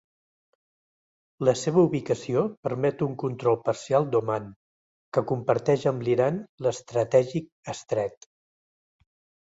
La seva ubicació permet un control parcial d'Oman, que comparteix amb l'Iran, l'estratègic estret.